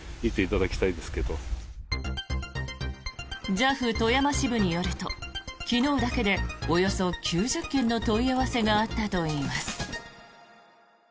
ＪＡＦ富山支部によると昨日だけでおよそ９０件の問い合わせがあったといいます。